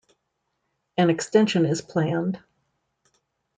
An extension is planned.